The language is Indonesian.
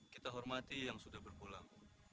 kita hormati yang sudah berpulang